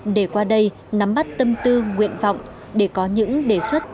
để qua đây nắm bắt tâm tư nguyện vọng để có những đề xuất